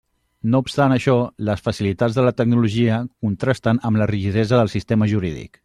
No obstant això, les facilitats de la tecnologia contrasten amb la rigidesa del sistema jurídic.